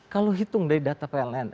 kalau hitung dari data pln